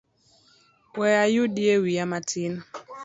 We ayudie wiya matin.